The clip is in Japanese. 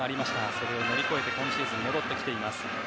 それを乗り越えて今シーズン、戻ってきています。